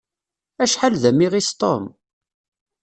Acḥal d amiɣis Tom!